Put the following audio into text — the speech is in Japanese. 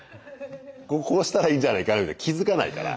こここうしたらいいんじゃないか気づかないから。